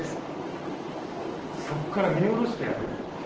そっから見下ろしてやる？